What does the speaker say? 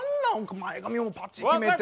前髪もパチッ決めて。